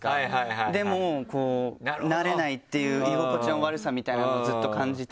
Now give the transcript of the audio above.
でもなれないっていう居心地の悪さみたいなのをずっと感じてて。